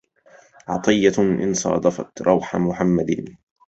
عطية إن صادفت روح محمد